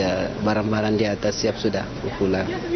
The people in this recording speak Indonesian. ya barang barang di atas siap sudah pulang